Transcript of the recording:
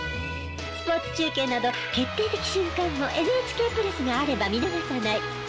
スポーツ中継など決定的瞬間もＮＨＫプラスがあれば見逃さない。